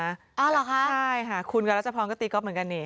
เหรอคะใช่ค่ะคุณกับรัชพรก็ตีก๊อฟเหมือนกันนี่